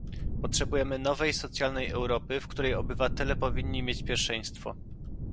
Potrzebujemy nowej socjalnej Europy, w której obywatele powinni mieć pierwszeństwo